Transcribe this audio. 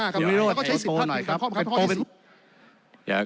คุณวิโรธให้โตหน่อยครับ